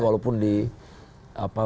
walaupun di apa